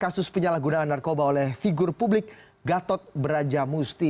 kasus penyalahgunaan narkoba oleh figur publik gatot beraja musti